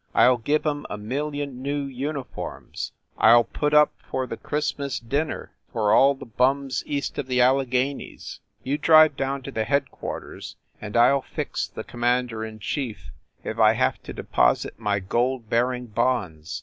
"I ll give em a million new uniforms I ll put up for the Christmas dinner for all the bums east of the Alleghenies! You drive down to the headquarters and I ll fix the commander in chief if I have to de posit my gold bearing bonds!